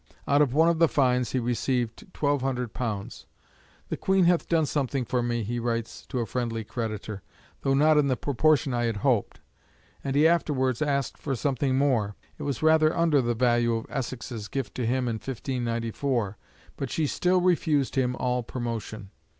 Out of one of the fines he received £1200. "The Queen hath done something for me," he writes to a friendly creditor, "though not in the proportion I had hoped," and he afterwards asked for something more. It was rather under the value of Essex's gift to him in 1594. But she still refused him all promotion.